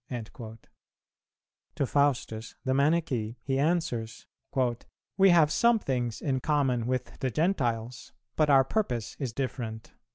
"[371:1] To Faustus the Manichee he answers, "We have some things in common with the gentiles, but our purpose is different."